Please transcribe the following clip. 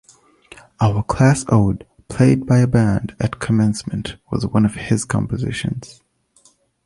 Our class ode played by a band at commencement was one of his compositions.